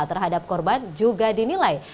terhadap korban juga dinilai